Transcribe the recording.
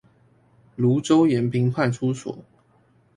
蘆洲延平派出所